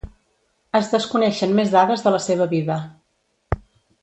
Es desconeixen més dades de la seva vida.